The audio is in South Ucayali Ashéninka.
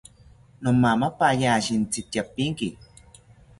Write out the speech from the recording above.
Nomamapaya shintzi tyapinki